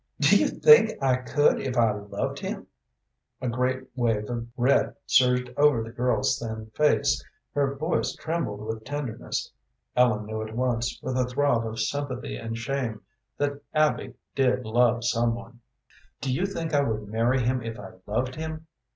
Do you think I could if I loved him?" A great wave of red surged over the girl's thin face, her voice trembled with tenderness. Ellen knew at once, with a throb of sympathy and shame, that Abby did love some one. "Do you think I would marry him if I loved him?"